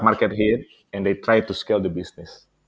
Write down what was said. dan mereka mencoba untuk menurunkan bisnis